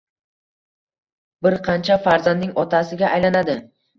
Bir qancha farzandning otasiga aylanadi.